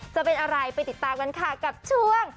จะเป็นอะไรไปติดตามกันค่ะกับช่วง